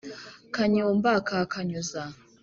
kanyumba ka kanyuza